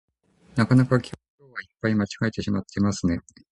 なかなか今日はいっぱい間違えてしまっていますね